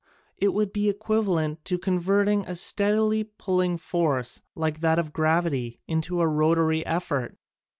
It would be equivalent to converting a steadily pulling force, like that of gravity, into a rotary effort.